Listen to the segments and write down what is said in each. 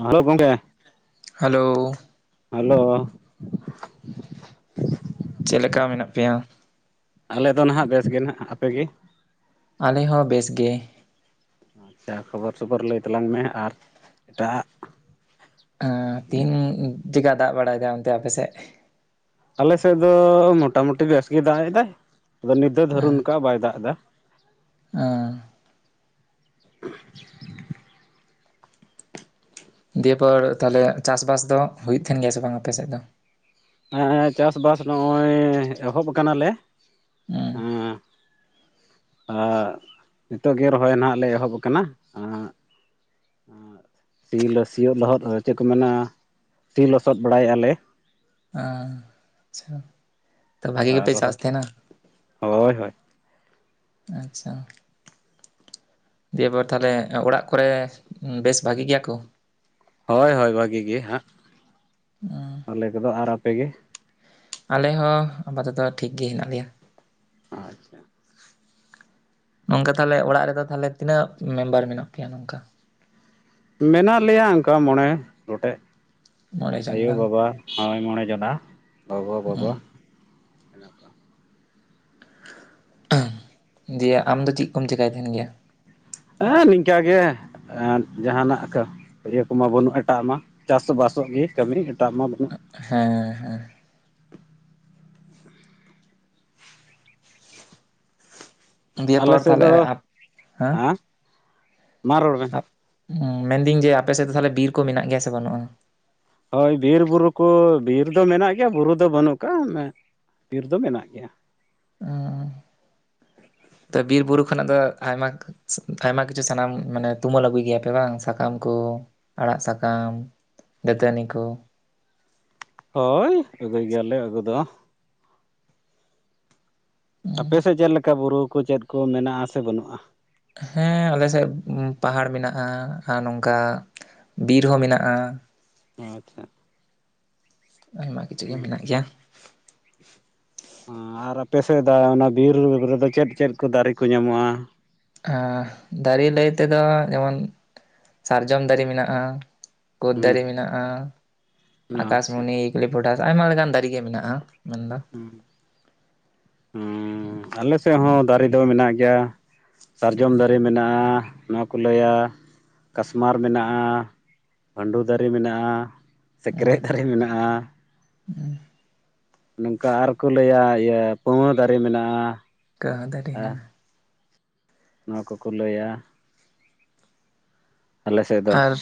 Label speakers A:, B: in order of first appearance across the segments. A: Hello ᱜᱚᱝᱠᱮ
B: hello
A: hello
B: ᱪᱮᱫ ᱞᱮᱠᱟ ᱢᱮᱱᱟᱜ ᱯᱮᱭᱟ?
A: ᱟᱞᱮ ᱫᱚ ᱱᱟᱸᱜ ᱵᱮᱥ ᱜᱮ ᱱᱟᱸᱜ ᱟᱯᱮ ᱜᱮ
B: ᱟᱞᱮ ᱦᱚᱸ ᱵᱮᱥ ᱜᱮ।
A: ᱟᱪᱪᱷᱟ ᱠᱷᱚᱵᱚᱨ ᱥᱚᱵᱚᱨ ᱞᱟᱹᱭ ᱛᱟᱞᱟᱝ ᱢᱮ ᱟᱨ ᱮᱴᱟᱜ
B: ᱛᱤᱱ [unintelligible] ᱫᱟᱜ ᱵᱟᱲᱟᱭᱮᱫᱟᱭ ᱚᱱᱛᱮ ᱟᱯᱮ ᱥᱮᱫ
A: ᱟᱞᱮᱥᱮᱫ ᱫᱚ ᱢᱚᱴᱟᱢᱩᱴᱤ ᱵᱮᱥ ᱜᱮᱭ ᱫᱟᱜ ᱮᱫᱟᱭ ᱟᱫᱚ ᱱᱤᱫᱽ ᱫᱚᱭ ᱫᱷᱟᱹᱨᱩᱱ ᱠᱟᱜᱼᱟᱭ ᱵᱟᱭ ᱫᱟᱜ ᱮᱫᱟ।
B: ᱟᱸ ᱫᱤᱭᱮ ᱯᱚᱨ ᱛᱟᱦᱚᱞᱮ ᱪᱟᱥ ᱵᱟᱥ ᱫᱚ ᱦᱩᱭᱩᱜ ᱛᱟᱦᱮᱱ ᱜᱮᱭᱟ ᱥᱮ ᱵᱟᱝ ᱟᱯᱮᱥᱮᱫ ᱫᱚ
A: ᱦᱮᱸ ᱪᱟᱥᱼᱵᱟᱥ ᱱᱚᱜᱼᱚᱭ ᱮᱦᱚᱵᱽ ᱠᱟᱱᱟ ᱞᱮ
B: ᱦᱩᱸ
A: ᱦᱮᱸ ᱟᱨ ᱱᱤᱛᱚᱜ ᱜᱮ ᱨᱚᱦᱚᱭ ᱱᱟᱸᱜ ᱞᱮ ᱮᱦᱚᱵᱽ ᱟᱠᱟᱱᱟ ᱟᱸᱜ ᱟᱸ ᱥᱤ ᱞᱚ ᱥᱤᱭᱚᱜ ᱞᱚᱦᱚᱫ ᱪᱮᱫ ᱠᱚ ᱢᱮᱱᱟ ᱥᱤ ᱞᱚᱥᱚᱫ ᱵᱟᱲᱟᱭᱮᱫᱼᱟ ᱞᱮ।
B: ᱟᱸᱻᱪᱷᱟ᱾
A: ᱟᱨᱚᱸ ᱦᱳᱭ ᱦᱳᱭ
B: ᱟᱪᱪᱷᱟ ᱫᱤᱭᱵᱟᱨ ᱛᱟᱦᱞᱮ ᱚᱲᱟᱜ ᱠᱚᱨᱮ ᱵᱮᱥ ᱵᱷᱟᱜᱤ ᱜᱮᱭᱟ ᱠᱚ᱾
A: ᱦᱳᱭ ᱦᱳᱭ ᱵᱷᱟᱹᱜᱤ ᱜᱮ ᱦᱟᱸᱜ।
B: [inaudible]
A: ᱟᱞᱮ ᱠᱚᱫᱚ ᱟᱨ ᱟᱯᱮᱜᱮ
B: ᱟᱞᱮ ᱦᱚᱸ ᱟᱯᱟᱛᱚᱛᱚ ᱴᱷᱤᱠ ᱜᱮ ᱦᱮᱱᱟᱜ ᱞᱮᱭᱟ।
A: ᱟᱪᱪᱷᱟ
B: ᱱᱚᱝᱠᱟ ᱛᱟᱦᱞᱮ ᱚᱲᱟᱜ ᱨᱮᱫᱚ ᱛᱟᱦᱞᱮ ᱛᱤᱱᱟᱹᱜ ᱢᱮᱢᱵᱟᱨ ᱢᱮᱱᱟᱜ ᱯᱮᱭᱟ ᱱᱚᱝᱠᱟ
A: ᱢᱮᱱᱟᱜ ᱞᱮᱭᱟ ᱚᱱᱠᱟ ᱢᱚᱬᱮ ᱜᱚᱴᱮᱡ
B: ᱢᱚᱬᱮ ᱡᱚᱱ
A: ᱟᱭᱳ
B: ᱵᱟᱝ?
A: ᱵᱟᱵᱟ᱾ ᱦᱳᱭ ᱢᱚᱬᱮ ᱡᱚᱱᱟ ᱜᱚᱜᱚ ᱵᱟᱵᱟ
B: ᱦᱩᱸ
A: ᱦᱮᱱᱟᱜ ᱠᱚᱣᱟ।
B: ᱫᱮᱭᱟ ᱟᱢ ᱫᱚ ᱪᱮᱫ ᱠᱚᱢ ᱪᱮᱠᱟᱭ ᱛᱟᱦᱮᱱ ᱜᱮᱭᱟ᱾
A: ᱦᱮᱸ ᱱᱤᱝᱠᱟ ᱜᱮ ᱡᱟᱦᱟᱱᱟᱜ ᱠᱟ ᱤᱭᱟᱹ ᱠᱚᱢᱟ ᱵᱟᱹᱱᱩᱜᱼᱟ ᱮᱴᱟᱜ ᱢᱟ ᱪᱟᱥ ᱵᱟᱥᱚᱜ ᱜᱮ ᱠᱟᱹᱢᱤ ᱮᱴᱟᱜ ᱢᱟ ᱵᱟᱹᱱᱩᱜ।
B: ᱦᱮᱸ ᱦᱮᱸ ᱫᱤᱭᱮ
A: ᱟᱞᱮ
B: ᱯᱚᱨ
A: ᱥᱮᱫ
B: ᱛᱟᱦᱚᱞᱮ
A: ᱫᱚ
B: ᱟᱯ ᱦᱮᱸ
A: ᱦᱟᱸ ᱢᱟ ᱨᱚᱲ ᱢᱮ।
B: ᱦᱮᱸ ᱢᱮᱱᱫᱤᱧ ᱡᱮ ᱟᱯᱮᱥᱮᱫ ᱫᱚ ᱛᱟᱦᱞᱮ ᱵᱤᱨ ᱠᱚ ᱢᱮᱱᱟᱜ ᱜᱮᱭᱟ ᱥᱮ ᱵᱟᱹᱱᱩᱜᱼᱟ᱾
A: ᱦᱳᱭ ᱵᱤᱨᱵᱩᱨᱩ ᱠᱚ ᱵᱤᱨ ᱫᱚ ᱢᱮᱱᱟᱜ ᱜᱮᱭᱟ ᱵᱩᱨᱩ ᱫᱚ ᱵᱟᱹᱱᱩᱜ ᱠᱟᱜᱼᱟ ᱵᱤᱨ ᱫᱚ ᱢᱮᱱᱟᱜ ᱜᱮᱭᱟ।
B: ᱚᱸᱻ ᱛᱚ ᱵᱤᱨ ᱵᱩᱨᱩ ᱠᱷᱚᱱᱟᱜ ᱫᱚ ᱟᱭᱢᱟ ᱟᱭᱢᱟ ᱠᱤᱪᱷᱩ ᱥᱟᱱᱟᱢ ᱢᱟᱱᱮ ᱛᱩᱢᱟᱹᱞ ᱟᱹᱜᱩᱭ ᱜᱮᱭᱟᱯᱮ ᱵᱟᱝ ᱥᱟᱠᱟᱢ ᱠᱚ ᱟᱲᱟᱜ ᱥᱟᱠᱟᱢ ᱫᱟᱹᱛᱟᱹᱱᱤ ᱠᱚ
A: ᱦᱳᱭ ᱟᱹᱜᱩᱭ ᱜᱮᱭᱟᱞᱮ ᱟᱹᱜᱩ ᱫᱚ᱾ ᱟᱯᱮᱥᱮᱫ ᱪᱮᱫ ᱞᱮᱠᱟ ᱵᱩᱨᱩ ᱠᱚ ᱪᱮᱫ ᱠᱚ ᱢᱮᱱᱟᱜᱼᱟ ᱥᱮ ᱵᱟᱹᱱᱩᱜᱼᱟ?
B: ᱦᱮᱸ ᱟᱞᱮ ᱥᱮᱫ ᱯᱟᱦᱟᱲ ᱢᱮᱱᱟᱜᱼᱟ ᱟᱨ ᱱᱚᱝᱠᱟ ᱵᱤᱨ ᱦᱚᱸ ᱢᱮᱱᱟᱜᱼᱟ।
A: ᱟᱪᱪᱷᱟ
B: ᱟᱭᱢᱟ ᱠᱤᱪᱷᱩ ᱜᱮ ᱢᱮᱱᱟᱜ ᱜᱮᱭᱟ᱾
A: ᱟᱨ ᱟᱯᱮ ᱥᱮᱫ ᱫᱚ ᱚᱱᱟ ᱵᱤᱨ ᱨᱮᱫᱚ ᱪᱮᱫ ᱪᱮᱫ ᱠᱚ ᱫᱟᱨᱮ ᱠᱚ ᱧᱟᱢᱚᱜᱼᱟ?
B: ᱟᱸᱻ ᱫᱟᱨᱮ ᱞᱟᱹᱭ ᱛᱮᱫᱚ ᱡᱮᱢᱚᱱ ᱥᱟᱨᱡᱚᱢ ᱫᱟᱨᱮ ᱢᱮᱱᱟᱜᱼᱟ ᱠᱳᱫ
A: ᱦᱩᱸ
B: ᱫᱟᱨᱮ ᱢᱮᱱᱟᱜᱼᱟ
A: ᱟᱪᱪᱷᱟ
B: ᱟᱠᱟᱥᱢᱚᱱᱤ ᱠᱟᱞᱤᱯᱚᱴᱷᱟᱥ ᱟᱭᱢᱟ ᱞᱮᱠᱟᱱ ᱫᱟᱹᱨᱤ ᱜᱮ ᱢᱮᱱᱟᱜᱼᱟ। ᱢᱮᱱᱫᱚ
A: ᱦᱩᱸ ᱦᱩᱸ ᱟᱞᱮ ᱥᱮᱫ ᱦᱚᱸ ᱫᱟᱨᱮ ᱫᱚ ᱢᱮᱱᱟᱜ ᱜᱮᱭᱟ। ᱥᱟᱨᱡᱚᱢ ᱫᱟᱨᱮ ᱢᱮᱱᱟᱜᱼᱟ ᱱᱚᱣᱟᱠᱚ ᱞᱟᱹᱭᱟ ᱠᱟᱥᱢᱟᱨ ᱢᱮᱱᱟᱜᱼᱟ। ᱵᱷᱟᱱᱰᱩ ᱫᱟᱨᱮ ᱢᱮᱱᱟᱜᱼᱟ
B: ᱦᱩᱸ
A: ᱥᱤᱠᱨᱮᱡ ᱫᱟᱨᱮ ᱢᱮᱱᱟᱜᱼᱟ
B: [unintelligible]
A: ᱱᱚᱝᱠᱟ ᱟᱨᱠᱚ ᱞᱟᱹᱭᱟ ᱤᱭᱟᱹ ᱯᱟᱺᱣᱟᱹ ᱫᱟᱨᱮ ᱢᱮᱱᱟᱜᱼᱟ।
B: ᱠᱟ ᱫᱟᱨᱮ
A: ᱟᱨ
B: ᱦᱟᱸ
A: ᱱᱚᱣᱟ ᱠᱚᱠᱚ ᱞᱟᱹᱭᱟ, ᱟᱞᱮ ᱥᱮᱫ ᱫᱚ
B: ᱟᱨ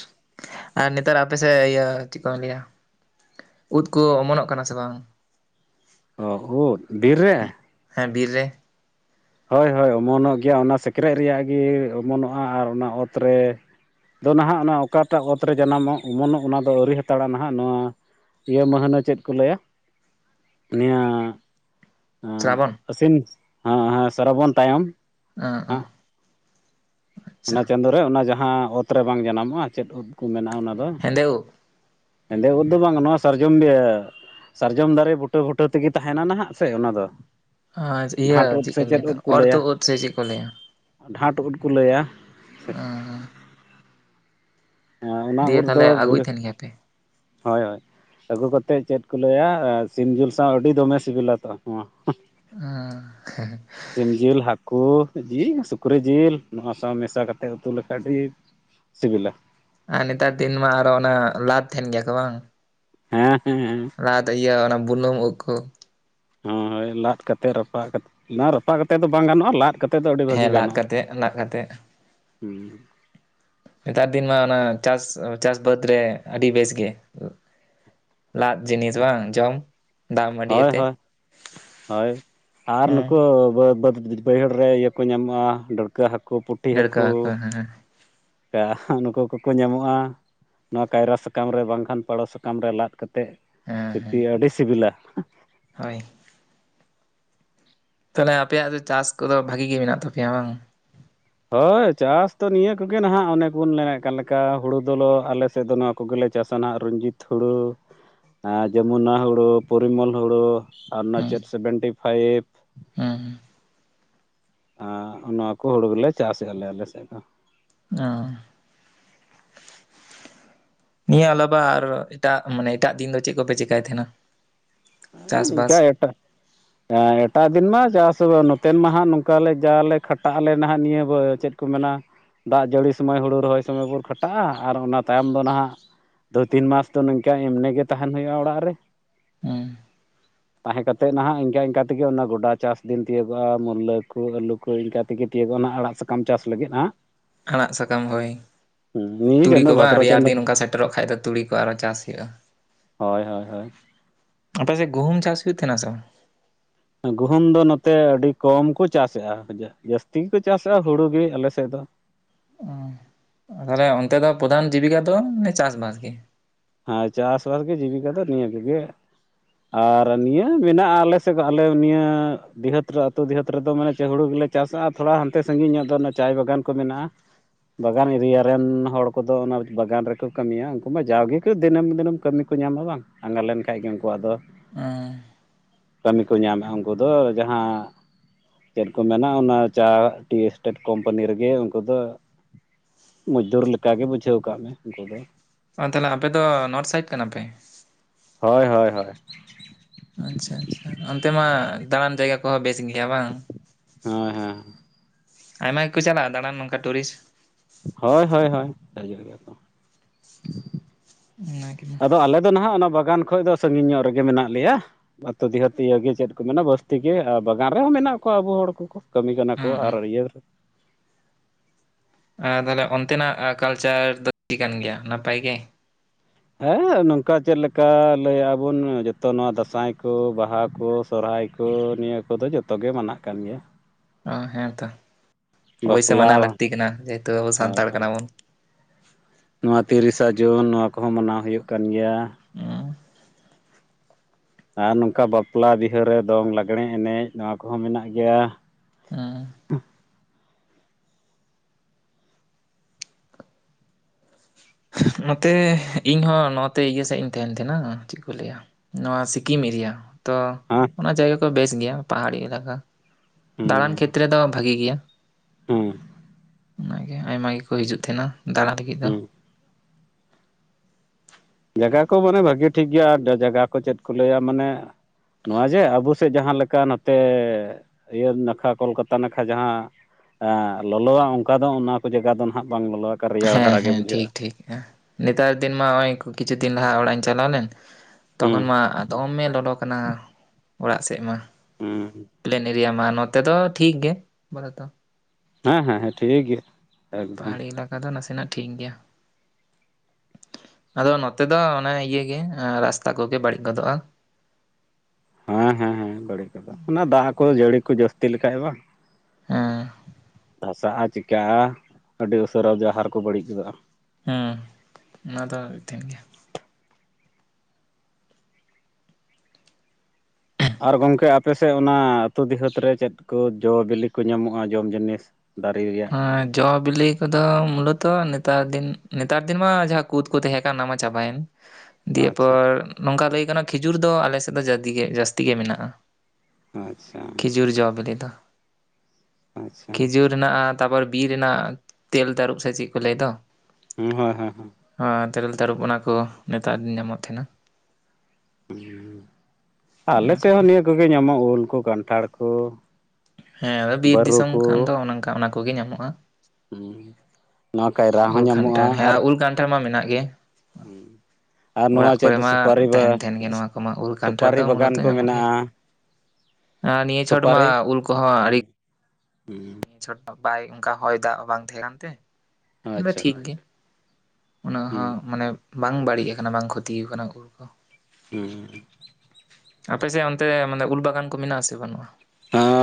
B: ᱟᱨ ᱱᱮᱛᱟᱨ ᱟᱯᱮ ᱥᱮᱫ ᱤᱭᱟᱹ ᱪᱮᱫ ᱠᱚ ᱞᱟᱹᱭᱟ ᱩᱫ ᱠᱚ ᱚᱢᱚᱱᱚᱜ ᱠᱟᱱᱟ ᱥᱮ ᱵᱟᱝ?
A: ᱚ ᱩᱫᱽ ᱵᱤᱨ ᱨᱮ
B: ᱦᱮᱸ ᱵᱤᱨ ᱨᱮ᱾
A: ᱦᱳᱭ ᱦᱳᱭ ᱚᱢᱚᱱᱚᱜ ᱜᱮᱭᱟ ᱚᱱᱟ ᱥᱮᱠᱨᱮᱡ ᱨᱮᱭᱟᱜ ᱜᱮ ᱚᱢᱚᱱᱚᱜ-ᱟ, ᱟᱨ ᱚᱱᱟ ᱚᱛᱨᱮ ᱫᱚ ᱱᱟᱦᱟᱜ ᱚᱱᱟ ᱚᱠᱟᱴᱟᱜ ᱚᱛ ᱨᱮ ᱡᱟᱱᱟᱢᱚᱜ, ᱚᱢᱚᱱᱚᱜ ᱚᱱᱟ ᱫᱚ ᱟᱹᱣᱨᱤ ᱦᱟᱛᱟᱲᱟ ᱱᱟᱦᱟᱜ ᱱᱚᱣᱟ ᱤᱭᱟᱹ ᱢᱟᱹ ᱦᱱᱮᱹ ᱪᱮᱫ ᱠᱚ ᱞᱟᱹᱭᱟ ᱱᱤᱭᱟᱹ
B: ᱪᱟ ᱵᱟᱝ
A: ᱟᱹᱥᱤᱱ ᱦᱮᱸ ᱦᱮᱸ ᱥᱟᱨᱟᱵᱚᱱ ᱛᱟᱭᱚᱢ
B: ᱚᱸ ᱚᱸ᱾
A: ᱦᱟᱸᱜ ᱚᱱᱟ ᱪᱟᱸᱫᱳ ᱨᱮ ᱚᱱᱟ ᱡᱟᱦᱟᱸ ᱚᱛ ᱨᱮ ᱵᱟᱝ ᱡᱟᱱᱟᱢᱚᱜ-ᱟ, ᱪᱮᱫ ᱩᱫ ᱠᱚ ᱢᱮᱱᱟ ᱚᱱᱟᱫᱚ᱾
B: ᱦᱮᱸᱫᱮ ᱩᱫ
A: ᱦᱮᱸᱫᱮ ᱩᱫᱽ ᱫᱚ ᱵᱟᱝ ᱱᱚᱣᱟ ᱥᱟᱨᱡᱚᱢ [unintelligible] ᱥᱟᱨᱡᱚᱢ ᱫᱟᱨᱮ ᱵᱩᱴᱟᱹᱵᱩᱴᱟᱹ ᱛᱮᱜᱮ ᱛᱟᱦᱮᱱᱟ ᱱᱟᱦᱟᱜ ᱥᱮ ᱚᱱᱟᱫᱚ᱾
B: ᱟᱨ ᱤᱭᱟᱹ ᱪᱮᱫ ᱠᱚ ᱞᱟᱹᱭ ᱫᱚ ᱚᱨ
A: ᱞᱟᱹᱭᱟ
B: ᱛᱩᱫ ᱩᱫ ᱥᱮ ᱪᱮᱫ ᱠᱚ ᱞᱟᱹᱭᱟ᱾
A: ᱰᱷᱟᱸᱴ ᱩᱫᱽ ᱠᱚ ᱞᱟᱹᱭᱟ
B: [unintelligible]
A: ᱚᱱᱟ
B: ᱫᱤᱭᱮ
A: ᱩᱨ
B: ᱛᱟᱦᱚᱞᱮ
A: ᱫᱚ ᱵᱤᱨ
B: ᱟᱹᱜᱩᱭ ᱛᱟᱦᱮᱱ ᱜᱮᱭᱟ ᱯᱮ
A: ᱦᱳᱭ ᱦᱳᱭ᱾ ᱟᱹᱜᱩ ᱠᱟᱛᱮᱫ ᱪᱮᱫ ᱠᱚ ᱞᱟᱹᱭᱟ ᱥᱤᱢ ᱡᱤᱞ ᱥᱟᱶ ᱟᱹᱰᱤ ᱫᱚᱢᱮ ᱥᱤᱵᱤᱞᱟ ᱛᱚ ᱱᱚᱣᱟ
B: ᱚ ᱦᱮᱸᱦᱮᱸ ᱮᱸ
A: ᱥᱤᱢ ᱡᱤᱞ ᱦᱟᱹᱠᱩ ᱡᱤ ᱥᱩᱠᱨᱤ ᱡᱤᱞ ᱱᱚᱣᱟ ᱥᱟᱶ ᱢᱮᱥᱟ ᱠᱟᱛᱮᱫ ᱩᱛᱩ ᱞᱮᱠᱷᱟᱡ, ᱟᱹᱰᱤ ᱥᱤᱵᱤᱞᱟ᱾
B: ᱟᱨ ᱱᱮᱛᱟᱨ ᱫᱤᱱ ᱢᱟ ᱟᱨᱚ ᱚᱱᱟ ᱞᱟᱫ ᱛᱟᱸᱦᱮᱱ ᱜᱮᱭᱟ ᱠᱚ ᱵᱟᱝ?
A: ᱦᱮᱸ ᱦᱮᱸ ᱦᱮᱸ
B: ᱞᱟᱫᱽ ᱤᱭᱟᱹ ᱚᱱᱟ ᱵᱩᱱᱩᱢ ᱩᱫ ᱠᱩ᱾
A: ᱦᱚᱸ ᱦᱳᱭ ᱞᱟᱫ ᱠᱟᱛᱮᱫ ᱨᱟᱯᱟᱜ ᱠᱟᱛᱮᱜ ᱚᱱᱟ ᱨᱟᱯᱟᱜ ᱠᱟᱛᱮᱜ ᱫᱚ ᱵᱟᱝ ᱜᱟᱱᱚᱜ-ᱟ, ᱞᱟᱫ ᱠᱟᱛᱮ
B: ᱦᱮᱸ ᱞᱟᱫ ᱠᱟᱛᱮ ᱞᱟᱫ ᱠᱟᱛᱮᱜ
A: ᱦᱩᱸ᱾
B: ᱱᱮᱛᱟᱨ ᱫᱤᱱ ᱢᱟ ᱚᱱᱟ ᱪᱟᱥ ᱪᱟᱥ ᱵᱟᱹᱫᱽ ᱨᱮ ᱟᱹᱰᱤ ᱵᱮᱥ ᱜᱮ ᱞᱟᱫ ᱡᱤᱱᱤᱥ ᱵᱟᱝ, ᱡᱚᱢ ᱫᱟᱜ ᱢᱟᱹᱰᱤ
A: ᱦᱳᱭ
B: ᱟᱛᱮᱫ
A: ᱦᱳᱭ ᱦᱳᱭ, ᱟᱨ
B: ᱦᱮᱸ
A: ᱱᱩᱠᱩᱟᱹ ᱵᱟᱹ [unintelligible] ᱵᱟᱹᱭᱦᱟᱹᱲ ᱨᱮ ᱤᱭᱟᱹ ᱠᱚ ᱧᱟᱢᱚᱜ-ᱟ, ᱰᱟᱹᱲᱠᱟᱹ ᱦᱟᱹᱠᱩ ᱯᱩ
B: ᱰᱟᱹᱲᱠᱟᱹ ᱦᱟᱹᱠᱳ ᱦᱮᱸ,
A: ᱠᱟ ᱱᱩᱠᱩ ᱠᱩᱠᱩ ᱧᱟᱢᱚᱜ-ᱟ, ᱱᱚᱣᱟ ᱠᱟᱭᱨᱟ ᱥᱟᱠᱟᱢ ᱨᱮ ᱵᱟᱝᱠᱷᱟᱱ ᱯᱟᱹᱲᱳ ᱥᱟᱠᱟᱢ ᱨᱮ ᱞᱟᱫ ᱠᱟᱛ ᱛᱮᱜ
B: ᱦᱮᱸ
A: ᱥᱤᱯᱤ ᱟᱹᱰᱤ ᱥᱤᱵᱤᱞᱟ᱾
B: ᱦᱳᱭ᱾ ᱛᱟᱦᱚᱞᱮ ᱟᱯᱮᱭᱟᱜ ᱫᱚ ᱪᱟᱥ ᱠᱚᱫᱚ ᱵᱷᱟᱜᱤ ᱜᱤ ᱢᱮᱱᱟᱜ ᱛᱟᱯᱮᱭᱟ ᱵᱟᱝ?
A: ᱦᱳᱭ ᱪᱟᱥ ᱫᱚ ᱱᱤᱭᱟᱹ ᱠᱚᱜᱮ ᱱᱟᱸᱦᱟᱜ ᱚᱱᱮᱵᱚᱱ ᱢᱮᱱᱮᱫ ᱠᱟᱱ ᱞᱮᱠᱟ ᱦᱩᱲᱩ ᱫᱚᱞᱚ ᱟᱞᱮ ᱥᱮᱫ ᱫᱚ ᱱᱚᱣᱟ ᱠᱚ ᱜᱮᱞᱮ ᱪᱟᱥᱟ ᱱᱟᱦᱟᱜ ᱨᱚᱧᱡᱤᱛ ᱦᱩᱲᱩ, ᱡᱚᱢᱩᱱᱟ ᱦᱩᱲᱩ, ᱯᱚᱨᱤᱢᱚᱞ ᱦᱩᱲᱩ ᱟᱨ ᱚᱱᱟ ᱪᱮᱫ
B: ᱦᱩᱸ
A: ᱥᱮᱵᱷᱮᱱᱴᱤ ᱯᱷᱟᱭᱤᱵᱽ
B: ᱦᱩᱸ
A: ᱟᱸ ᱚᱱᱟ ᱠᱚ ᱦᱩᱲᱩ ᱜᱮᱞᱮ ᱪᱟᱥ ᱥᱮᱟᱞᱮ ᱟᱞᱮ ᱥᱮᱫ ᱫᱚ᱾
B: ᱚᱸᱻ ᱱᱤᱭᱟᱹ ᱟᱞᱟᱵᱟ ᱟᱨ ᱮᱴᱟᱜ ᱢᱟᱱᱮ ᱮᱴᱟᱜ ᱫᱤᱱ ᱫᱚ ᱪᱮᱫ ᱠᱚᱯᱮ ᱪᱮᱠᱟᱭᱫ ᱛᱟᱦᱮᱱᱟ?
A: ᱟᱸ ᱱᱤᱝᱠᱟ
B: ᱪᱟᱥᱵᱟᱥ
A: ᱮᱠᱴᱟᱜ ᱮᱴᱟᱜ ᱫᱤᱱ ᱢᱟ ᱪᱟᱥ ᱱᱚᱛᱮᱱ ᱢᱟ ᱦᱟᱸᱜ ᱱᱚᱝᱠᱟ ᱞᱮ ᱡᱟᱞᱮ ᱠᱷᱟᱴᱟᱜ ᱟᱞᱮ ᱱᱟᱦᱟᱜ ᱱᱤᱭᱟᱹ ᱪᱮᱫ ᱠᱚ ᱢᱮᱱᱟ ᱫᱟᱜ ᱡᱟᱹᱲᱤ ᱥᱚᱢᱚᱭ ᱦᱩᱲᱩ ᱨᱚᱦᱚᱭ ᱥᱚᱢᱚᱭ ᱵᱚᱱ ᱠᱷᱟᱴᱟᱜ-ᱟ ᱟᱨ ᱚᱱᱟ ᱛᱟᱭᱚᱢ ᱫᱚ ᱱᱟᱦᱟᱜ ᱫᱩ ᱛᱤᱱ ᱢᱟᱥ ᱫᱚ ᱱᱚᱤᱝᱠᱟ ᱮᱢᱱᱤ ᱜᱮ ᱛᱟᱦᱮᱱ ᱦᱩᱭᱩᱜ-ᱟ ᱚᱲᱟᱜ ᱨᱮ᱾
B: ᱦᱩᱸ
A: ᱛᱟᱦᱮᱸ ᱠᱟᱛᱮᱜ ᱱᱟᱦᱟᱜ ᱤᱱᱠᱟ ᱤᱱᱠᱟ ᱛᱮᱜᱮ ᱚᱱᱟ ᱜᱚᱰᱟ ᱪᱟᱥ ᱫᱤᱱ ᱛᱤᱭᱟᱹᱜᱚᱜ-ᱟ ᱢᱩᱞᱟᱹ ᱠᱚ, ᱟᱹᱞᱩ ᱠᱚ, ᱠᱚ ᱤᱱᱠᱟ ᱛᱮᱜᱮ ᱛᱤᱭᱟᱹᱜᱚᱜ-ᱟ ᱱᱟᱜ ᱟᱲᱟᱜ ᱥᱟᱠᱟᱢ ᱪᱟᱥ ᱞᱟᱹᱜᱤᱫ ᱦᱟᱸ
B: ᱟᱲᱟᱜ ᱥᱟᱠᱟᱢ ᱦᱳᱭ
A: ᱱᱤᱭᱟᱹ
B: ᱛᱩᱲᱤ
A: ᱪᱟᱸᱫᱳ
B: ᱠᱚ ᱵᱟᱝ
A: ᱵᱷᱟᱫᱨᱚ
B: ᱨᱮᱭᱟᱲ
A: ᱪᱟᱸᱫᱳ
B: ᱫᱤᱱ ᱚᱱᱠᱟ ᱥᱮᱴᱮᱨᱚᱜ ᱠᱷᱟᱡ ᱫᱚ ᱛᱩᱲᱤ ᱠᱚ ᱟᱨᱦᱚ ᱪᱟᱥ ᱦᱩᱭᱩᱜᱼᱟ
A: ᱦᱳᱭ ᱦᱳᱭ ᱦᱳᱭ
B: ᱟᱯᱟᱥᱮᱫ ᱜᱩᱦᱩᱢ ᱪᱟᱥ ᱦᱩᱭᱩᱜ ᱛᱟᱦᱮᱱᱟ ᱥᱮ ᱵᱟᱝ
A: ᱜᱩᱦᱩᱢ ᱫᱚ ᱱᱚᱛᱮ ᱟᱹᱰᱤ ᱠᱚᱢ ᱠᱚ ᱪᱟᱥᱮᱫᱼᱟ ᱡᱟᱹᱥᱛᱤ ᱜᱮᱠᱚ ᱪᱟᱥᱟ ᱦᱩᱲᱩ ᱜᱮ ᱟᱞᱮ ᱥᱮᱫ ᱫᱚ
B: ᱛᱟᱦᱚᱞᱮ ᱚᱱᱛᱮ ᱫᱚ ᱯᱨᱚᱫᱷᱟᱱ ᱡᱤᱵᱤᱠᱟ ᱫᱚ ᱪᱟᱥᱵᱟᱥ ᱜᱮ
A: ᱦᱮᱸ ᱪᱟᱥᱵᱟᱥ ᱜᱮ ᱡᱤᱵᱤᱠᱟ ᱫᱚ ᱱᱤᱭᱟᱹ ᱠᱚᱜᱮ ᱟᱨ ᱱᱤᱭᱟᱹ ᱢᱮᱱᱟᱜᱼᱟ ᱟᱞᱮ ᱟᱞᱮ ᱱᱤᱭᱟᱹ ᱰᱤᱦᱟᱹᱛ ᱨᱮ ᱟᱹᱛᱩ ᱰᱤᱦᱟᱹᱛ ᱨᱮᱫᱚ ᱢᱟᱱᱮ ᱦᱩᱲᱩ ᱜᱮᱞᱮ ᱪᱟᱥᱮᱜᱼᱟ ᱛᱷᱚᱲᱟ ᱦᱟᱱᱛᱮ ᱥᱟᱺᱜᱤᱧ ᱧᱚᱜ ᱫᱚ ᱪᱟᱭ ᱵᱟᱜᱟᱱ ᱠᱚ ᱢᱮᱱᱟᱜᱼᱟ ᱵᱟᱜᱟᱱ ᱮᱨᱤᱭᱟ ᱨᱮᱱ ᱦᱚᱲ ᱠᱚᱫᱚ ᱚᱱᱟ ᱵᱟᱜᱟᱱ ᱨᱮᱠᱚ ᱠᱟᱹᱢᱤᱭᱟ ᱩᱱᱠᱩ ᱢᱟ ᱡᱟᱣᱜᱮ ᱠᱟᱺᱡ ᱫᱤᱱᱟᱹᱢ ᱫᱤᱱᱟᱹᱢ ᱠᱟᱹᱢᱤ ᱠᱚ ᱧᱟᱢᱟ ᱵᱟᱝ ᱟᱸᱜᱟ ᱞᱮᱱᱠᱷᱟᱡ ᱜᱮ ᱩᱱᱠᱩᱣᱟᱜ ᱫᱚ
B: [inaudible]
A: ᱠᱟᱹᱢᱤ ᱠᱚ ᱧᱟᱢᱮᱜ-ᱟ ᱩᱝᱠᱩ ᱫᱚ ᱡᱟᱦᱟᱸ ᱪᱮᱫ ᱠᱚ ᱢᱮᱱᱟᱜ-ᱟ ᱚᱱᱟ ᱪᱟ ᱴᱤ ᱮᱥᱴᱮᱴ ᱠᱳᱢᱯᱟᱱᱤ ᱨᱮᱜᱮ ᱩᱱᱠᱩ ᱫᱚ ᱢᱚᱡᱽᱫᱩᱨ ᱞᱮᱠᱟᱜ ᱜᱮ ᱵᱩᱡᱷᱟᱹᱣ ᱠᱟᱜ ᱢᱮ ᱩᱱᱠᱩ ᱫᱚ
B: ᱟᱨ ᱛᱟᱦᱞᱮ ᱟᱯᱮ ᱫᱚ ᱱᱚᱨᱛᱷ ᱥᱟᱭᱤᱰ ᱠᱟᱱᱟᱯᱮ
A: ᱦᱳᱭ ᱦᱳᱭ ᱦᱳᱭ
B: ᱟᱪᱪᱷᱟ ᱟᱪᱪᱷᱟ ᱚᱱᱛᱮ ᱢᱟ ᱫᱟᱬᱟᱱ ᱡᱟᱭᱜᱟ ᱠᱚᱦᱚᱸ ᱵᱮᱥ ᱜᱮᱭᱟ ᱵᱟᱝ
A: ᱦᱮᱸ ᱦᱮᱸ ᱦᱮᱸ
B: ᱟᱭᱢᱟ ᱜᱮᱠᱚ ᱪᱟᱞᱟᱜᱼᱟ ᱫᱟᱬᱟᱱ ᱱᱚᱝᱠᱟ ᱴᱩᱨᱤᱥᱴ
A: ᱦᱳᱭ ᱦᱳᱭ ᱦᱳᱭ ᱦᱟᱡᱩᱜ ᱜᱮᱭᱟ ᱠᱚ
B: ᱚᱱᱟᱜᱮ
A: ᱟᱫᱚ ᱟᱞᱮ ᱫᱚ ᱱᱟᱦᱟᱜ ᱚᱱᱟ ᱵᱟᱜᱟᱱ ᱠᱷᱚᱡ ᱫᱚ ᱥᱟᱺᱜᱤᱧ ᱧᱚᱜ ᱨᱮᱜᱮ ᱢᱮᱱᱟᱜ ᱞᱮᱭᱟ ᱟᱹᱛᱩ ᱫᱤᱦᱟᱹᱛᱤᱭᱟᱹ ᱜᱮ ᱪᱮᱫ ᱠᱚ ᱢᱮᱱᱟ ᱵᱚᱥᱛᱤ ᱜᱮ ᱟᱨ ᱵᱟᱜᱟᱱ ᱨᱮᱦᱚᱸ ᱢᱮᱱᱟᱜ ᱠᱚᱣᱟ ᱟᱵᱚ ᱦᱚᱲ ᱠᱚ ᱠᱟᱹᱢᱤ ᱠᱟᱱᱟ ᱠᱚ ᱟᱨ
B: ᱦᱩᱸ
A: ᱤᱭᱟᱹ
B: ᱟᱨ ᱛᱟᱦᱞᱮ ᱚᱱᱛᱮᱱᱟᱜ ᱠᱟᱞᱪᱟᱨ ᱫᱚ ᱪᱮᱫ ᱠᱟᱱ ᱜᱮᱭᱟ ᱱᱟᱯᱟᱭ ᱜᱮ
A: ᱦᱮᱸ ᱱᱚᱝᱠᱟ ᱪᱮᱫ ᱞᱮᱠᱟ ᱞᱟᱹᱭᱟ ᱵᱚᱱ ᱡᱚᱛᱚ ᱱᱚᱣᱟ ᱫᱟᱸᱥᱟᱭ ᱠᱚ ᱵᱟᱦᱟ ᱠᱚ ᱥᱚᱨᱚᱦᱟᱭ ᱛᱚ ᱱᱤᱭᱟᱹ ᱠᱚᱫᱚ ᱡᱚᱛᱚᱜᱮ ᱢᱟᱱᱟᱜ ᱠᱟᱱ ᱜᱮᱭᱟ
B: ᱚ ᱦᱮᱸᱛᱚ ᱚᱵᱚᱥᱥᱳᱭ ᱢᱟᱱᱟᱜ
A: ᱵᱟᱯᱞᱟ
B: ᱞᱟᱹᱠᱛᱤ ᱠᱟᱱᱟ ᱡᱮᱦᱮᱛᱩ ᱟᱵᱚ
A: ᱦᱳᱭ
B: ᱥᱟᱱᱛᱟᱲ
A: ᱦᱳᱭ
B: ᱠᱟᱱᱟ ᱵᱚᱱ
A: ᱱᱚᱣᱟ ᱛᱤᱨᱤᱥᱟ ᱡᱩᱱ ᱱᱚᱣᱟ ᱠᱚᱦᱚᱸ ᱢᱟᱱᱟᱣ ᱦᱩᱭᱩᱜ ᱠᱟᱱ ᱜᱮᱭᱟ ᱟᱨ ᱱᱚᱝᱠᱟ ᱵᱟᱯᱞᱟ ᱵᱤᱦᱟᱹᱨᱮ ᱫᱚᱝ ᱞᱟᱜᱽᱲᱮ ᱮᱱᱮᱡ ᱱᱚᱣᱟ ᱠᱚᱦᱚᱸ ᱢᱮᱱᱟᱜ ᱜᱮᱭᱟ
B: ᱦᱩᱸ ᱱᱚᱛᱮ ᱤᱧᱦᱚᱸ ᱱᱚᱛᱮ ᱤᱭᱟᱹ ᱥᱮᱫ ᱤᱧ ᱛᱟᱦᱮᱱ ᱠᱟᱱᱟ ᱪᱮᱫ ᱠᱚ ᱞᱟᱹᱭᱟ ᱱᱚᱣᱟ ᱥᱤᱠᱤᱢ ᱮᱨᱤᱭᱟ ᱛᱚ
A: ᱦᱮᱸ
B: ᱚᱱᱟ ᱡᱟᱭᱜᱟ ᱠᱚ ᱵᱮᱥ ᱜᱮᱭᱟ ᱯᱟᱦᱟᱲᱤ ᱮᱞᱟᱠᱟ ᱫᱟᱬᱟᱱ
A: ᱦᱩᱸ
B: ᱠᱷᱮᱛᱨᱮ ᱫᱚ ᱵᱷᱟᱜᱤ ᱜᱮᱭᱟ
A: [inaudible]
B: ᱚᱱᱟᱜᱮ ᱟᱭᱢᱟ ᱜᱮᱠᱚ ᱦᱤᱡᱩᱜ ᱛᱟᱦᱮᱱᱟ ᱫᱟᱬᱟ ᱞᱟᱹᱜᱤᱫ ᱫᱚ
A: ᱦᱮᱸ ᱡᱟᱭᱜᱟ ᱠᱚ ᱢᱟᱱᱮ ᱵᱷᱟᱹᱜᱤ ᱴᱷᱤᱠ ᱜᱮᱭᱟ ᱟᱨ ᱡᱟᱭᱜᱟ ᱠᱚ ᱪᱮᱫ ᱠᱚ ᱞᱟᱹᱭᱟ ᱢᱟᱱᱮ ᱱᱚᱣᱟ ᱡᱮ ᱟᱵᱚ ᱥᱮᱫ ᱡᱟᱦᱟᱸ ᱞᱮᱠᱟ ᱱᱚᱛᱮ ᱤᱭᱟᱹ ᱱᱟᱠᱷᱟ ᱠᱳᱞᱠᱟᱛᱟ ᱱᱟᱠᱷᱟ ᱡᱟᱦᱟᱸ ᱞᱚᱞᱚᱣᱟ ᱚᱱᱠᱟ ᱫᱚ ᱚᱱᱟ ᱠᱚ ᱡᱟᱭᱜᱟ ᱫᱚ ᱱᱟᱦᱟᱜ ᱵᱟᱝ ᱞᱚᱞᱚᱣᱟ ᱟᱠᱟᱱ ᱨᱮᱭᱟᱲ
B: ᱦᱮᱸ
A: ᱫᱷᱟᱨᱟ ᱜᱮ
B: ᱦᱮᱸ ᱴᱷᱤᱠ
A: ᱵᱩᱡᱷᱟᱹᱜᱼᱟ
B: ᱴᱷᱤᱠ, ᱱᱮᱛᱟᱨ ᱫᱤᱱ ᱢᱟ ᱱᱚᱜᱼᱚᱭ ᱠᱤᱪᱷᱩ ᱫᱤᱱ ᱞᱟᱦᱟ ᱚᱲᱟᱜ ᱤᱧ ᱪᱟᱞᱟᱣ ᱞᱮᱱ
A: ᱦᱮᱸ
B: ᱛᱚᱠᱷᱚᱱ ᱢᱟ ᱫᱚᱢᱢᱮ ᱞᱚᱞᱚ ᱠᱟᱱᱟ ᱚᱲᱟᱜ ᱥᱮᱫ ᱢᱟ
A: ᱦᱮᱸ
B: ᱯᱞᱮᱱ ᱮᱨᱤᱭᱟ ᱢᱟ ᱱᱚᱛ ᱡᱷᱚᱛᱚ ᱴᱷᱤᱠ ᱜᱮ ᱵᱚᱞ [unintelligible] ᱛᱚ
A: ᱦᱮᱸ ᱦᱮᱸ ᱦᱮᱸ ᱴᱷᱤᱠ ᱜᱮᱭᱟ ᱮᱠᱫᱚᱢ
B: ᱯᱟᱦᱟᱲᱤ ᱮᱞᱟᱠᱟ ᱫᱚ ᱱᱟᱥᱮᱱᱟᱜ ᱴᱷᱤᱠ ᱜᱮᱭᱟ ᱟᱫᱚ ᱱᱚᱛᱮ ᱫᱚ ᱚᱱᱮ ᱤᱭᱮ ᱜᱮ ᱨᱟᱥᱛᱟ ᱠᱚᱜᱮ ᱵᱟᱹᱲᱤᱡ ᱜᱚᱫᱚᱜᱼᱟ
A: ᱦᱮᱸ ᱦᱮᱸ ᱦᱮᱸ ᱵᱟᱹᱲᱤᱡ ᱪᱟᱵᱟᱜ ᱚᱱᱟ ᱫᱟᱜ ᱠᱚ ᱡᱟᱹᱲᱤ ᱠᱚ ᱡᱟᱹᱥᱛᱤ ᱞᱮᱠᱷᱟᱡ ᱵᱟᱝ
B: ᱦᱮᱸ
A: ᱫᱷᱟᱥᱟᱜᱼᱟ ᱪᱤᱠᱟᱹᱜᱼᱟ ᱟᱹᱰᱤ ᱩᱥᱟᱹᱨᱟ ᱡᱟᱦᱟᱨ ᱠᱚ ᱵᱟᱹᱲᱤᱡ ᱜᱚᱫᱚᱜᱼᱟ
B: ᱦᱮᱸ ᱚᱱᱟᱫᱚ ᱴᱷᱤᱠ ᱜᱮᱭᱟ᱾
A: ᱟᱨ ᱜᱚᱢᱠᱮ ᱟᱯᱮ ᱥᱮᱫ ᱚᱱᱟ ᱟᱹᱛᱩ ᱫᱤᱦᱟᱹᱛ ᱨᱮ ᱪᱮᱫ ᱠᱚ ᱡᱚᱼ ᱵᱤᱞᱤ ᱠᱚ ᱧᱟᱢᱚᱜᱼᱟ ᱡᱚᱢ ᱡᱤᱱᱤᱥ? ᱫᱟᱨᱮ ᱜᱮ
B: ᱡᱚ ᱵᱤᱞᱤ ᱠᱚᱫᱚ ᱢᱩᱞᱚᱛᱚ ᱱᱮᱛᱟᱨ ᱫᱤᱱ ᱱᱮᱛᱟᱨ ᱫᱤᱱ ᱢᱟ ᱡᱟᱦᱟᱸ ᱠᱩᱫ ᱠᱚ ᱛᱟᱦᱮᱸ ᱠᱟᱱᱟ ᱚᱱᱟ ᱢᱟ ᱪᱷᱟᱵᱟᱭᱮᱱᱟ᱾
A: ᱟᱪᱪᱷᱟ
B: ᱫᱤᱭᱮᱯᱚᱨ ᱱᱚᱝᱠᱟ ᱞᱟᱹᱭ ᱜᱟᱱᱚᱜ-ᱟ ᱠᱷᱤᱡᱩᱨ ᱫᱚ ᱟᱞᱮ ᱥᱮᱫ ᱫᱚ ᱡᱟᱫᱤ ᱜᱮ ᱡᱟᱹᱥᱛᱤ ᱜᱮ ᱢᱮᱱᱟᱜᱼᱟ᱾
A: ᱟᱪᱪᱷᱟ,
B: ᱠᱷᱤᱡᱩᱨ ᱡᱚ ᱵᱤᱞᱤ ᱫᱚ
A: ᱟᱪᱪᱷᱟ
B: ᱠᱷᱤᱡᱩᱨ ᱨᱮᱱᱟᱜ ᱟᱨ ᱛᱟᱯᱚᱨ ᱵᱤᱨ ᱨᱮᱱᱟᱜ ᱛᱮᱞ ᱛᱟᱹᱨᱩᱵ ᱥᱮ ᱪᱮᱫ ᱠᱚ ᱞᱟᱹᱭ ᱫᱚ?
A: ᱦᱩᱸ ᱦᱟ ᱦᱮ ᱦᱚᱸ
B: ᱟᱨ ᱛᱮᱨᱮᱞ ᱛᱟᱹᱨᱩᱵ ᱚᱱᱟ ᱠᱚ ᱱᱮᱛᱟᱨ ᱫᱤᱱ ᱧᱟᱢᱚᱜ ᱛᱟᱦᱮᱱᱟ᱾
A: ᱟᱞᱮ ᱥᱮᱫ ᱦᱚᱸ ᱱᱤᱭᱟᱹ ᱠᱚᱜᱮ ᱧᱟᱢᱚᱜ ᱩᱞ ᱠᱚ ᱠᱟᱱᱴᱷᱟᱲ ᱠᱚ
B: ᱦᱮᱸ ᱵᱤᱨ
A: ᱵᱟᱹᱨᱩ
B: ᱫᱤᱥᱚᱢ ᱠᱷᱟᱱ ᱫᱚ ᱚᱱᱮ ᱚᱝᱠᱟ ᱚᱱᱟ ᱠᱚᱜᱮ ᱧᱟᱢᱚᱜᱼᱟ᱾
A: ᱦᱮᱸ ᱱᱚᱣᱟ ᱠᱟᱭᱨᱟ ᱦᱚᱸ ᱧᱟᱢᱚᱜᱼᱟ ᱟᱨ
B: ᱱᱮᱛᱟᱨ ᱢᱟ ᱢᱮᱱᱟᱜ ᱜᱮ
A: ᱟᱨ
B: ᱚᱲᱟᱜ
A: ᱱᱚᱣᱟ
B: ᱠᱚᱨᱮ
A: ᱪᱮᱫ
B: ᱢᱟ
A: ᱥᱩᱯᱟᱨᱤ
B: ᱛᱟᱦᱮᱱ
A: ᱵᱟ
B: ᱛᱟᱦᱮᱱ ᱜᱮ ᱱᱚᱣᱟ ᱠᱚᱢᱟ ᱩᱞ ᱠᱟᱱᱴᱷᱟᱲ ᱫᱚ
A: ᱥᱩᱯᱟᱨᱤ ᱵᱟᱜᱟᱱ
B: ᱢᱩᱞᱚᱛᱚ
A: ᱠᱚ
B: ᱧᱟᱢᱚᱜ ᱜᱮᱭᱟ᱾
A: ᱢᱮᱱᱟᱜᱼᱟ
B: ᱟᱨ ᱱᱤᱭᱟᱹ ᱪᱷᱚᱴ ᱢᱟ ᱩᱞ ᱠᱚᱦᱚᱸ ᱟᱹᱰᱤ
A: ᱦᱩᱸ
B: [unintelligible] ᱵᱟᱭ ᱚᱱᱠᱟ ᱦᱚᱭ ᱫᱟᱜ ᱵᱟᱝ ᱛᱟᱦᱮᱸ ᱠᱟᱱᱛᱮ, ᱛᱟᱦᱚᱞᱮ
A: ᱟᱪᱪᱷᱟ
B: ᱴᱷᱤᱠ
A: ᱟᱪᱪᱷᱟ
B: ᱜᱮ, ᱚᱱᱟ ᱦᱚᱸ ᱢᱟᱱᱮ ᱵᱟᱝ ᱵᱟᱹᱲᱤᱡ ᱟᱠᱟᱱᱟ ᱵᱟᱝ ᱠᱷᱚᱛᱤ ᱟᱠᱟᱱᱟ ᱩᱞ ᱠᱚ,
A: ᱦᱮᱸ,
B: ᱟᱯᱮᱥᱮᱫ ᱚᱱᱛᱮ ᱢᱟᱱᱮ ᱩᱞ ᱵᱟᱜᱟᱱ ᱠᱚ ᱢᱮᱱᱟᱜ ᱟᱥᱮ ᱵᱟᱹᱱᱩᱜᱼᱟ?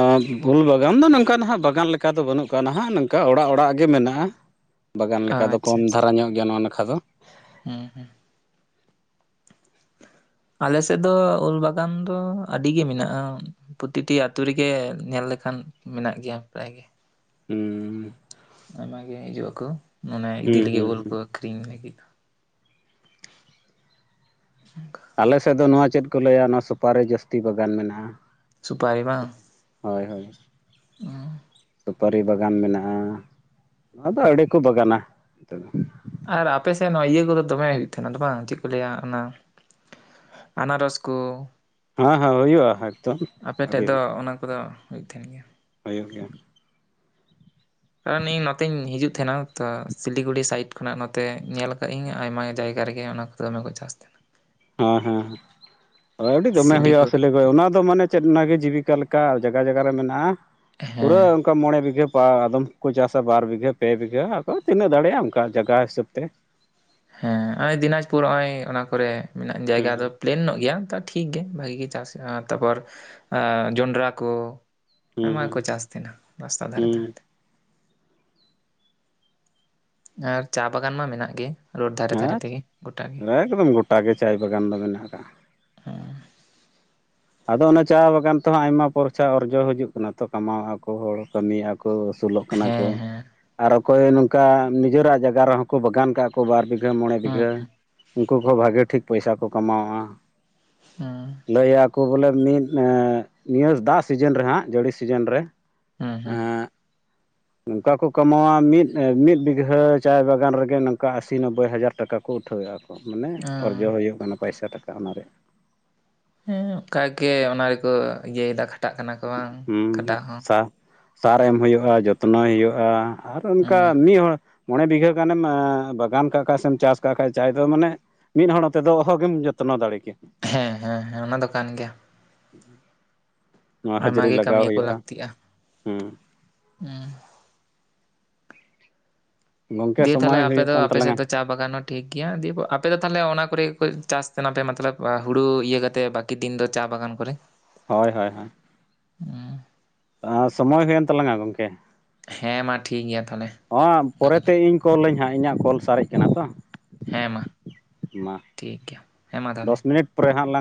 A: [inaudible] ᱯᱷᱩᱞ ᱵᱟᱜᱟᱱ ᱫᱚ ᱱᱚᱝᱠᱟ ᱱᱟᱦᱟᱜ ᱵᱟᱜᱟᱱ ᱞᱮᱠᱟ ᱫᱚ ᱵᱟᱹᱱᱩᱜ ᱟᱠᱟ ᱱᱟᱦᱟᱜ ᱱᱚᱝᱠᱟ ᱚᱲᱟᱜ ᱚᱲᱟᱜ ᱜᱮ ᱢᱮᱱᱟᱜᱼᱟ᱾ ᱵᱟᱜᱟᱱ ᱞᱮᱠᱟ ᱫᱚ
B: ᱟᱪᱪᱷᱟ
A: ᱠᱚᱢ
B: ᱟᱪᱪᱷᱟ
A: ᱫᱷᱟᱨᱟ ᱧᱚᱜ ᱜᱮᱭᱟ ᱱᱚᱣᱟ ᱱᱟᱠᱷᱟ ᱫᱚ
B: [unintelligible] ᱟᱞᱮ ᱥᱮᱫ ᱫᱚ ᱩᱞ ᱵᱟᱜᱟᱱ ᱫᱚ ᱟᱹᱰᱤ ᱜᱮ ᱢᱮᱱᱟᱜᱼᱟ᱾ ᱯᱚᱛᱤᱴᱤ ᱟᱹᱛᱩ ᱨᱮᱜᱮ ᱧᱮᱞ ᱞᱮᱠᱷᱟᱱ ᱢᱮᱱᱟᱜ ᱜᱮᱭᱟ ᱯᱟᱨᱟᱭ ᱜᱮ
A: ᱦᱩᱸᱻ
B: ᱟᱭᱢᱟᱜᱮ ᱦᱤᱡᱩᱜ ᱟᱠᱚ ᱚᱱᱮ ᱤᱫᱤ
A: ᱦᱩᱸ
B: ᱞᱟᱹᱜᱤᱫ
A: ᱦᱩᱸ
B: ᱩᱞ
A: ᱦᱩᱸ
B: ᱠᱚ ᱟᱹᱠᱷᱨᱤᱧ ᱞᱟᱹᱜᱤᱫ [unintelligible]
A: ᱟᱞᱮ ᱥᱮᱫ ᱫᱚ ᱱᱚᱣᱟ ᱪᱮᱫ ᱠᱚ ᱞᱟᱹᱭᱟ? ᱱᱚᱣᱟ ᱥᱳᱯᱟᱨᱤ ᱡᱟᱹᱥᱛᱤ ᱵᱟᱜᱟᱱ ᱢᱮᱱᱟᱜᱼᱟ᱾
B: ᱥᱩᱯᱟᱨᱤ ᱵᱟᱝ,
A: ᱦᱳᱭ ᱦᱳᱭ,
B: ᱚᱸ
A: ᱥᱩᱯᱟᱹᱨᱤ ᱵᱟᱜᱟᱱ ᱢᱮᱱᱟᱜᱼᱟ ᱱᱚᱣᱟ ᱫᱚ ᱟᱹᱰᱤ ᱠᱚ ᱵᱟᱜᱟᱱᱟ
B: ᱟᱨ ᱟᱯᱮ ᱥᱮᱫ ᱦᱚᱸᱤᱭᱟᱹ ᱠᱚᱫᱚ ᱫᱚᱢᱮ ᱦᱩᱭᱩᱜ ᱛᱟᱦᱮᱸᱱᱟ ᱵᱟᱝ, ᱪᱮᱫ ᱠᱚ ᱞᱟᱹᱭᱟ? ᱚᱱᱟ, ᱟᱱᱟᱨᱚᱥ ᱠᱩ
A: ᱦᱮᱸ ᱦᱮᱸ ᱦᱩᱭᱩᱜᱼᱟ ᱮᱠᱫᱚᱢ
B: ᱟᱯᱮ ᱴᱷᱮᱡ
A: ᱟᱹᱰᱤ
B: ᱫᱚ ᱚᱱᱟ ᱠᱚᱫᱚ [inaudible]
A: ᱦᱩᱭᱩᱜ ᱜᱮᱭᱟ,
B: ᱟᱨ ᱱᱤᱨ ᱱᱚᱛᱮᱧ ᱤᱧ ᱦᱤᱡᱩᱜ ᱛᱷᱮᱱᱟᱣ ᱛᱚ ᱥᱤᱞᱤᱜᱩᱲᱤ ᱥᱟᱭᱤᱰ ᱠᱷᱚᱱᱟᱜ ᱱᱚᱛᱮ ᱧᱮᱞ ᱟᱠᱟᱜ ᱟᱹᱧ ᱟᱭᱢᱟ ᱡᱟᱭᱜᱟ ᱨᱮᱜᱮ ᱚᱱᱟ ᱠᱚᱫᱚ ᱫᱚᱢᱮ ᱠᱚ ᱪᱟᱥᱮᱫ᱾ [inaudible]
A: ᱦᱮᱸ ᱦᱮᱸ ᱟᱹᱰᱤ ᱫᱚᱢᱮ ᱦᱩᱭᱩᱜᱼᱟ,
B: ᱥᱤᱞᱤᱜᱩᱲᱤ
A: ᱥᱤᱞᱜᱚᱭ ᱚᱱᱟ ᱫᱚ ᱢᱟᱱᱮ ᱪᱮᱫ ᱚᱱᱟᱜᱮ ᱡᱤᱵᱤᱠᱟ ᱞᱮᱠᱟ ᱡᱟᱜᱟ ᱡᱟᱜᱟ ᱨᱮ ᱢᱮᱱᱟᱜᱼᱟ ᱯᱩᱨᱟᱹ᱾
B: ᱦᱮᱸ
A: ᱚᱱᱠᱟ ᱢᱚᱬᱮ ᱵᱤᱜᱷᱟᱹ ᱵᱟ ᱟᱫᱚᱢ ᱠᱚᱠᱚ ᱪᱟᱥᱟ ᱵᱟᱨ ᱵᱤᱜᱷᱟᱹ ᱯᱮ ᱵᱤᱜᱷᱟᱹ ᱟᱫᱚ ᱛᱤᱱᱟᱹᱜ ᱫᱟᱲᱮᱭᱟᱜᱼᱟ, ᱚᱱᱠᱟ ᱡᱟᱜᱟ ᱦᱤᱥᱟᱹᱵ ᱛᱮ᱾
B: ᱦᱮᱸ ᱱᱚᱜᱼᱚᱭ ᱫᱤᱱᱟᱡᱽᱯᱩᱨ ᱱᱚᱜᱼᱚᱭ ᱚᱱᱟ ᱠᱚᱨᱮ ᱢᱮᱱᱟᱜ ᱡᱟᱭᱜᱟ
A: ᱦᱩᱸ
B: ᱫᱚ᱾ ᱯᱞᱮᱱ ᱧᱚᱜ ᱜᱮᱭᱟ ᱛᱚ ᱴᱷᱤᱠ ᱜᱮ ᱵᱷᱟᱹᱜᱤ ᱜᱮ ᱪᱟᱥ ᱦᱩᱭᱩᱜ ᱟ ᱟᱨ ᱛᱟᱯᱚᱨ ᱡᱚᱱᱰᱨᱟ ᱠᱚ ᱟᱭᱢᱟ ᱠᱚ
A: ᱦᱩᱸ
B: ᱪᱟᱥ ᱛᱟᱦᱮᱱᱟ ᱨᱟᱥᱛᱟ ᱫᱷᱟᱨᱮ
A: ᱦᱩᱸ
B: ᱫᱷᱟᱨᱮᱛᱮ ᱟᱨ ᱪᱟ ᱵᱟᱜᱟᱱ ᱢᱟ ᱢᱮᱱᱟᱜ ᱜᱮ ᱨᱳᱰ ᱫᱷᱟᱨᱮ ᱫᱷᱟᱨᱮ ᱛᱮᱜᱮ ᱜᱚᱴᱟ ᱜᱮ
A: ᱦᱮᱸ ᱮᱠᱫᱚᱢ ᱜᱚᱴᱟᱜ ᱜᱮ ᱪᱟᱭ ᱵᱟᱜᱟᱱ ᱫᱚ ᱢᱮᱱᱟᱜ ᱟᱠᱟᱫᱼᱟ ᱟᱫᱚ ᱚᱱᱟ ᱪᱟ ᱵᱟᱜᱟᱱ ᱛᱮᱦᱚᱸ ᱟᱭᱢᱟ ᱯᱚᱨᱪᱟ ᱚᱨᱡᱚ ᱦᱤᱡᱩᱜ ᱠᱟᱱᱟ ᱛᱚ ᱠᱟᱢᱟᱣᱟᱜᱼᱟᱚ ᱦᱚᱲ ᱠᱟᱹᱢᱤᱭᱮᱫᱼᱟ ᱠᱚ ᱟᱹᱥᱩᱞᱚᱜ ᱠᱟᱱᱟ ᱠᱚ
B: ᱦᱮᱸ ᱦᱮᱸ
A: ᱚᱠᱚᱭ ᱱᱚᱝᱠᱟ ᱱᱤᱡᱮᱨᱟᱜ ᱡᱟᱭᱜᱟ ᱨᱮᱦᱚᱸ ᱠᱚ ᱵᱟᱜᱟᱱ ᱠᱟᱜ ᱩᱱᱠᱩ ᱵᱟᱨ ᱵᱤᱜᱷᱟᱹ ᱢᱚᱬᱮ ᱵᱤᱜᱷᱟᱹ
B: ᱦᱩᱸ
A: ᱩᱱᱠᱩ ᱠᱚᱦᱚᱸ ᱵᱷᱟᱹᱜᱮ ᱴᱷᱤᱠ ᱯᱚᱭᱥᱟ ᱠᱚ ᱠᱟᱢᱣᱟ
B: ᱦᱩᱸ
A: ᱞᱟᱹᱭᱟᱠᱚ ᱵᱚᱞᱮ ᱢᱤᱫ ᱱᱤᱭᱟᱹ ᱫᱟᱜ ᱥᱤᱡᱤᱱ ᱨᱮ ᱦᱟᱸᱜ ᱡᱟᱹᱲᱤ ᱥᱤᱡᱤᱱ ᱨᱮ
B: ᱦᱮᱸ ᱦᱮᱸ
A: ᱮᱸᱜ ᱱᱚᱝᱠᱟ ᱠᱚ ᱠᱟᱢᱟᱣᱟ ᱢᱤᱫ ᱢᱤᱫ ᱵᱤᱜᱷᱟᱹ ᱪᱟᱭ ᱵᱟᱜᱟᱱ ᱨᱮᱜᱮ ᱱᱚᱝᱠᱟ ᱟᱥᱤ ᱱᱚᱵᱵᱳᱭ ᱦᱟᱡᱟᱨ ᱴᱟᱠᱟ ᱠᱚ ᱩᱴᱷᱟᱹᱣᱮᱫᱼᱟ ᱢᱟᱱᱮ ᱚᱨᱡᱚ ᱦᱩᱭᱩᱜ ᱠᱟᱱᱟ ᱯᱟᱭᱥᱟ ᱴᱟᱠᱟ ᱚᱱᱟ ᱨᱮᱭᱟᱜ
B: ᱦᱮᱸ ᱚᱱᱠᱟᱜᱮ ᱚᱱᱟ ᱨᱮᱠᱚ ᱤᱭᱟᱹᱭᱮᱫᱟ ᱠᱷᱟᱴᱟᱜ ᱠᱟᱱᱟ ᱠᱚ ᱵᱟᱝ
A: ᱦᱩᱸ
B: ᱠᱷᱟᱴᱟᱜ ᱦᱚᱸ
A: ᱥᱟ ᱥᱟᱨ ᱮᱢ ᱦᱩᱭᱩᱜᱼᱟ ᱡᱚᱛᱱᱚᱭ ᱦᱩᱭᱩᱜᱼᱟ ᱟᱨ ᱚᱱᱠᱟ
B: ᱦᱩᱸ
A: ᱢᱤᱫ ᱦᱚᱲ ᱢᱚᱬᱮ ᱵᱤᱜᱷᱟᱹ ᱜᱟᱱᱮᱢ ᱵᱟᱜᱟᱱ ᱠᱟᱜ ᱠᱷᱟᱡ ᱥᱮᱢ ᱪᱟᱥ ᱠᱟᱜ ᱠᱷᱟᱡ ᱡᱟᱦᱟᱸᱟᱭ ᱫᱚ ᱢᱟᱱᱮ ᱢᱤᱫ ᱦᱚᱲ ᱛᱮᱫᱚ ᱚᱦᱚᱜ ᱜᱮᱢ ᱡᱚᱛᱱᱚ ᱫᱟᱲᱮ ᱠᱮᱭᱟ
B: ᱦᱮᱸ ᱦᱮᱸ ᱦᱮᱸ ᱚᱱᱟ ᱫᱚ ᱠᱟᱱ ᱜᱮᱭᱟ
A: ᱦᱩᱸ [inaudible]
B: ᱟᱭᱢᱟ ᱜᱮ ᱠᱟᱹᱢᱤᱭᱟᱹ ᱠᱚ ᱞᱟᱹᱠᱛᱤᱜᱼᱟ
A: ᱦᱩᱸ
B: ᱦ
A: ᱜᱚᱝᱠᱮ
B: ᱫᱤᱭᱮ ᱛᱟᱦᱮ
A: ᱥᱚᱢᱚᱭ
B: ᱟᱯᱮ
A: ᱦᱩᱭᱩᱜ
B: ᱫᱚ
A: ᱠᱟᱱ
B: ᱟᱯᱮ ᱥᱮᱫ
A: ᱛᱟᱞᱟᱝᱟ
B: ᱫᱚ ᱪᱟ ᱵᱟᱜᱟᱱ ᱦᱚᱸ ᱴᱷᱤᱠ ᱜᱮᱭᱟ ᱫᱤᱭᱮ ᱟᱯᱮ ᱫᱚ ᱛᱟᱦᱚᱞᱮ ᱚᱱᱟ ᱠᱚᱨᱮ ᱪᱟᱥ ᱛᱟᱦᱮ ᱯᱮ ᱢᱚᱛᱞᱚᱵ ᱦᱩᱲᱩ ᱤᱭᱟᱹ ᱠᱟᱛᱮ ᱵᱟᱠ ᱤ ᱫᱤᱱ ᱫᱚ ᱪᱟ ᱵᱟᱜᱟᱱ ᱠᱚ
A: ᱦᱳᱭ ᱦᱳᱭ ᱦᱳᱭ [inaudible] ᱥᱚᱢᱚᱭ ᱦᱩᱭᱮᱱ ᱛᱟᱞᱟᱝᱟ ᱜᱚᱝᱠᱮ
B: ᱦᱮᱸ ᱢᱟ ᱴᱷᱤᱠ ᱜᱮᱭᱟ ᱛᱟᱦᱚᱞᱮ
A: ᱦᱟᱸ
B: ᱚᱱᱠᱟ ᱜᱮ,
A: ᱯᱚᱨᱮᱛᱮ ᱤᱧ ᱠᱚᱞᱟᱹᱧ ᱦᱟᱸᱜ ᱤᱧᱟᱹᱜ ᱠᱚᱞ ᱥᱟᱨᱮᱡ ᱠᱟᱱᱟ ᱛᱚ
B: ᱦᱮᱸ ᱢᱟ
A: ᱢᱟ
B: ᱴᱷᱤᱠ ᱜᱮᱭᱟ ᱦᱮᱸ ᱢᱟ ᱛᱟᱦᱚᱞᱮ
A: ᱫᱚᱥ ᱢᱤᱱᱤᱴ ᱯᱚᱨᱮ ᱦᱟᱜ ᱞᱟᱝ